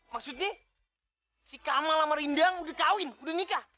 maksudnya si kamal sama rindang udah kawin udah nikah